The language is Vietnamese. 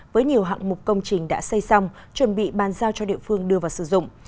với nhiều hạng mục công trình đã xây xong chuẩn bị bàn giao cho địa phương đưa vào sử dụng